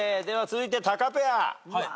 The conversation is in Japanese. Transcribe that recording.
では続いてタカペア。